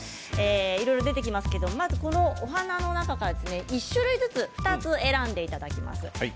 いろいろ出てきましたけどお花の中から１種類ずつ２つ選んでいただいてください。